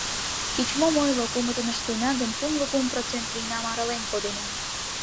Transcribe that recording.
Кеч-мом ойло, кумытын ыштена гын, кумло кум процент вийнам арален кодена.